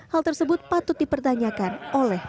hal tersebut patut dipertanyakan oleh